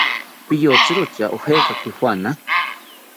¿Piyotzi tya ojekaki juana?